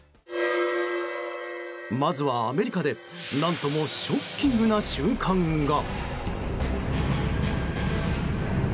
まずはアメリカで何ともショッキングな瞬間が。